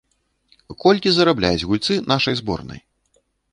Колькі зарабляюць гульцы нашай зборнай?